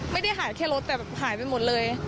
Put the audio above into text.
ไม่ได้หายแค่รถแต่แบบหายไปหมดเลย